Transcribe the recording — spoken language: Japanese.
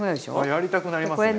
やりたくなりますね。